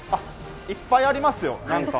いっぱいありますよ、なんか。